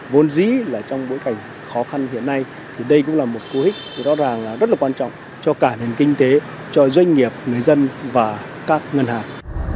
vốn dí là trong bối cảnh khó khăn hiện nay thì đây cũng là một cố hích rất là quan trọng cho cả nền kinh tế cho doanh nghiệp người dân và các ngân hàng